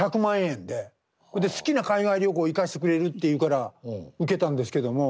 好きな海外旅行行かせてくれるっていうから受けたんですけども。